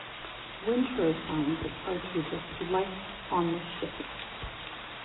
Wintrow finds it hard to adjust to life on the ship.